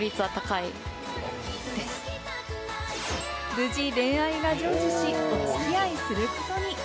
無事恋愛は成就し、お付き合いすることに。